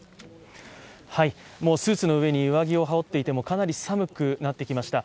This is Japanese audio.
スーツの上に上着を羽織っていてもかなり寒くなってきました。